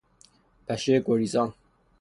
پشه گریزان